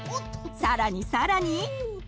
さらにさらに！